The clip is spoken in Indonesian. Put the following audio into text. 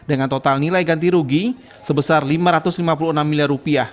dengan total nilai ganti rugi sebesar rp lima ratus lima puluh enam miliar